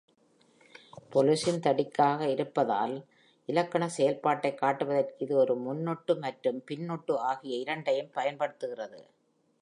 பாலிசின்தடிக்காக இருப்பதால், இலக்கண செயல்பாட்டை காட்டுவதற்கு இது முன்னொட்டு மற்றும் பின்னொட்டு ஆகிய இரண்டையும் பயன்படுத்துகிறது.